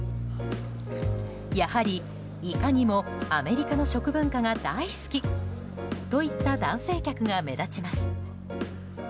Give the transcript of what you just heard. やはり、いかにもアメリカの食文化が大好きといった男性客が目立ちます。